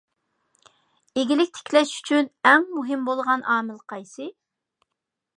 ئىگىلىك تىكلەش ئۈچۈن ئەڭ مۇھىم بولغان ئامىل قايسى؟